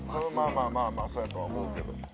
まあまあそうやとは思うけど。